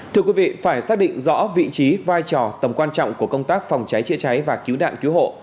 thưa quý vị phải xác định rõ vị trí vai trò tầm quan trọng của công tác phòng cháy chữa cháy và cứu nạn cứu hộ